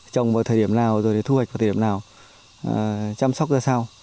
trồng vào thời điểm nào rồi thu hoạch vào thời điểm nào chăm sóc ra sao